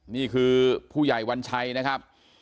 นี่คือผู้ใหญ่วัญชัยนะครับ